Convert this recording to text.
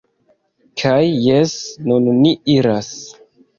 Kaj jes nun ni iras